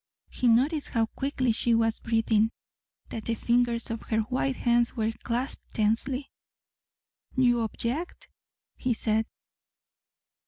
He noticed how quickly she was breathing that the fingers of her white hands were clasped tensely. "You object," he said.